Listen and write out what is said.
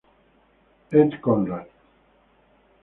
Ed Conrad.